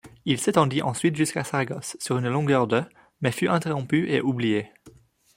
Il s'étendit ensuite jusqu'à Saragosse, sur une longueur de mais fut interrompu et oublié.